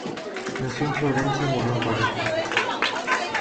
Nació en Florencia y murió en Pisa.